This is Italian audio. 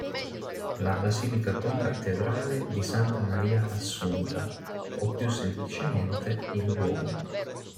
La Basilica Concattedrale di Santa Maria Assunta, o più semplicemente il "Duomo".